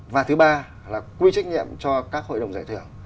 và thứ ba là quy trách nhiệm cho các hội đồng giải thưởng